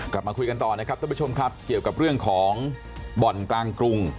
กลับมาคุยกันต่อนะครับท่านผู้ชมครับเกี่ยวกับเรื่องของบ่อนกลางกรุง